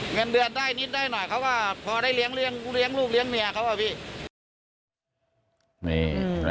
เงินเดือนได้นิดได้หน่อยเขาก็พอได้เลี้ยงลูกเลี้ยงเมียเขาอะพี่